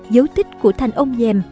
dấu tích của thành ông diệm